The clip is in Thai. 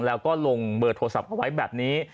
แล้วก็ลงเบอร์โทรศัพท์เอาไว้แบบนี้